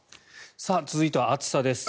続いては暑さです。